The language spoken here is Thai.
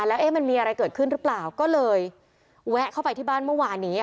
แล้วมันมีอะไรเกิดขึ้นหรือเปล่าก็เลยแวะเข้าไปที่บ้านเมื่อวานนี้